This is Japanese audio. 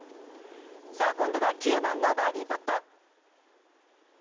今度は９番のバーディーパット。